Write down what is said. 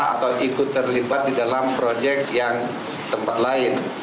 atau ikut terlibat di dalam proyek yang tempat lain